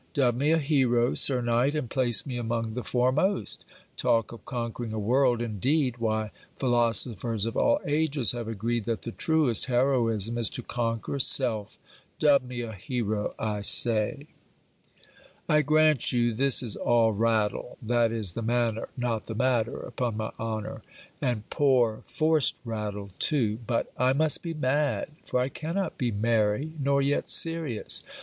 Dub me a hero, sir knight! and place me among the foremost! Talk of conquering a world, indeed! Why philosophers of all ages have agreed that the truest heroism is to conquer self. Dub me a hero, I say! I grant you, this is all rattle (that is the manner not the matter, upon my honor), and poor forced rattle too; but I must be mad, for I cannot be merry, nor yet serious.